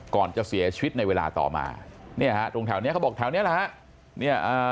ก่อนจะเสียชีวิตในเวลาต่อมาเนี่ยตรงแถวนี้เขาบอกแถวนี้ล่ะ